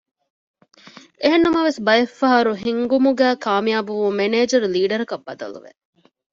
އެހެންނަމަވެސް ބައެއްފަހަރު ހިންގުމުގައި ކާމިޔާބުވުމުން މެނޭޖަރު ލީޑަރަކަށް ބަދަލުވެ